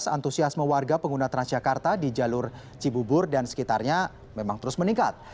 antusiasme warga pengguna transjakarta di jalur cibubur dan sekitarnya memang terus meningkat